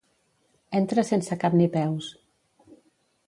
Entra sense cap ni peus.